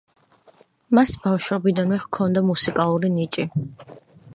მას ბავშვობიდანვე ჰქონდა მუსიკალური ნიჭი.